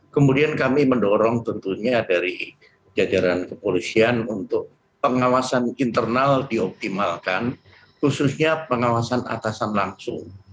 kemudian kami mendorong tentunya dari jajaran kepolisian untuk pengawasan internal dioptimalkan khususnya pengawasan atasan langsung